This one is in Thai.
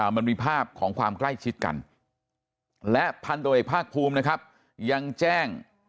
มันมีภาพของความใกล้ชิดกันและพันตรวจเอกภาคภูมินะครับยังแจ้ง